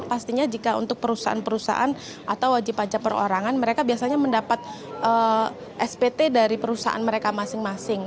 pastinya jika untuk perusahaan perusahaan atau wajib pajak perorangan mereka biasanya mendapat spt dari perusahaan mereka masing masing